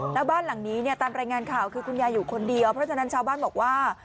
แล้วบ้านหลังนี้เนี่ยตามรายงานข่าวคือคุณยายอยู่คนเดียวเพราะฉะนั้นชาวบ้านบอกว่า